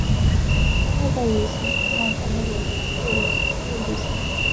甘薇的履行情况为全部未履行。